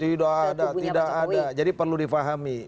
tidak ada tidak ada jadi perlu difahami